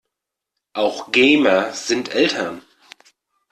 Auch Gamer sind Eltern.